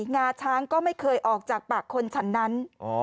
งาช้างก็ไม่เคยออกจากปากคนฉันนั้น